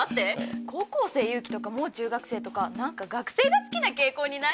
「高校生ゆうき」とか「もう中学生」とか何か学生が好きな傾向にない？